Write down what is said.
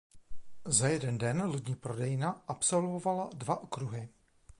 Za jeden den lodní prodejna absolvovala dva okruhy.